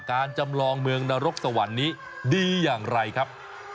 จำลองเมืองนรกสวรรค์นี้ดีอย่างไรครับ